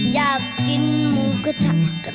อยากกินหมูกระทะ